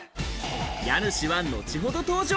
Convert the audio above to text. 家主は後ほど登場。